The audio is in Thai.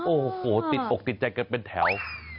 โอ้โหติดอกติดใจกันเป็นแถว